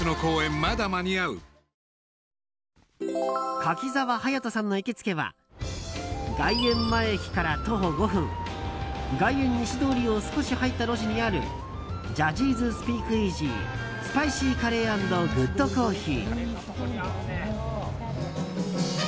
柿澤勇人さんの行きつけは外苑前駅から徒歩８分外苑西通りを少し入った路地にあるジャージーズスピークイージースパイシーカレー＆グッドコーヒー。